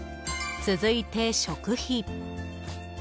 続いて食費。